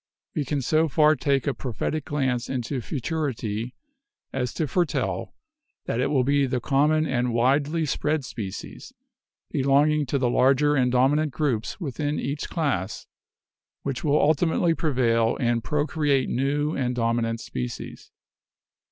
We can so far take a prophetic glance into futurity as to foretell that it will be the common and widely spread species, belonging to the larger and dominant groups within each class, which will ultimately prevail and procreate new and dominant species.